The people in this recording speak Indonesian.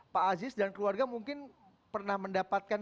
pak aziz dan keluarga mungkin pernah mendapatkan